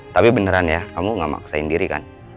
tapi beneran ya kamu gak maksain diri kan